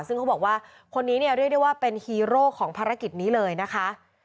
ซึ่งเขาบอกว่าคนนี้เนี่ยเรียกได้ว่าเป็นฮีโร่ของภารกิจนี้เลยนะคะ